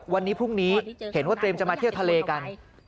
วันนี้พรุ่งนี้เห็นว่าเตรียมจะมาเที่ยวทะเลกัน